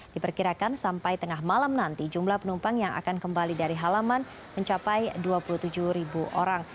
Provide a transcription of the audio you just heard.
diperkirakan sampai tengah malam nanti jumlah penumpang yang akan kembali dari halaman mencapai dua puluh tujuh ribu orang